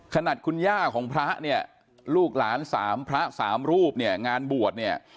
ขนาดคุณย่าของพระเนี่ยลูกหลานสามพระสามรูปเนี่ยงานบวชเนี่ย